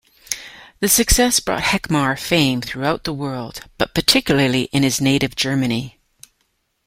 The success brought Heckmair fame throughout the world, but particularly in his native Germany.